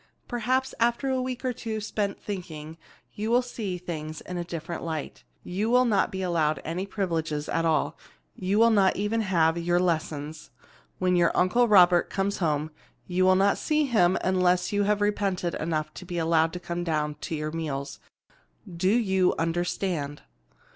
Perhaps after a week or two spent thinking, you will see things in a different light. You will not be allowed any privileges at all. You will not even have your lessons. When your Uncle Robert comes home, you will not see him unless you have repented enough to be allowed to come down to your meals. Do you understand?"